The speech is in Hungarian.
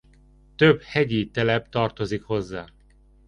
Több hegyi telep tartozik hozzá.